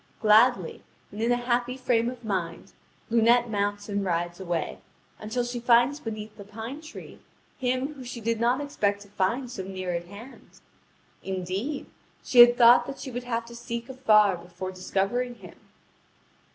Gladly and in a happy frame of mind Lunete mounts and rides away, until she finds beneath the pine tree him whom she did not expect to find so near at hand. Indeed, she had thought that she would have to seek afar before discovering him.